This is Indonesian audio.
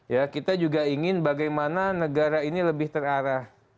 ya kita juga ingin bagaimana negara ini lebih terarah